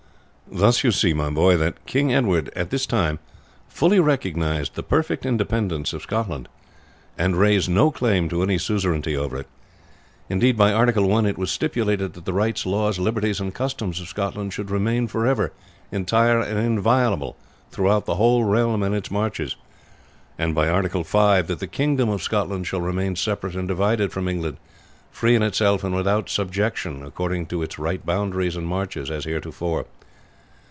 "Thus you see, my boy, that King Edward at this time fully recognized the perfect independence of Scotland, and raised no claim to any suzerainty over it. Indeed, by Article I it was stipulated that the rights, laws, liberties, and customs of Scotland should remain for ever entire and inviolable throughout the whole realm and its marches; and by Article V that the Kingdom of Scotland shall remain separate and divided from England, free in itself, and without subjection, according to its right boundaries and marches, as heretofore.